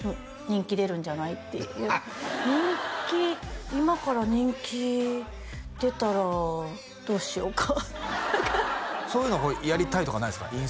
人気出るんじゃないって人気今から人気出たらどうしようかそういうのやりたいとかないですか？